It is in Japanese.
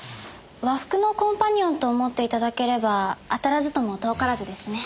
和服のコンパニオンと思って頂ければ当たらずとも遠からずですね。